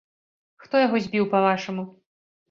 Хто яго збіў, па-вашаму?